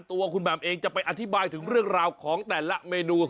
ตัวคุณแหม่มเองจะไปอธิบายถึงเรื่องราวของแต่ละเมนู